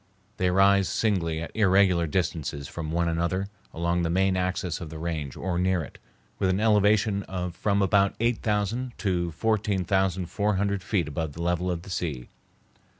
They rise singly at irregular distances from one another along the main axis of the range or near it, with an elevation of from about eight thousand to fourteen thousand four hundred feet above the level of the sea.